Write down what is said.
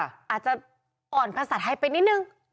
อาจจะอ่อนภาษาไทยไปนิดนึง